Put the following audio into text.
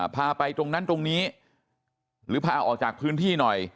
พาไปตรงนั้นตรงนี้หรือพาออกจากพื้นที่หน่อย